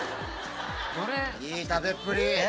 いい食べっぷり！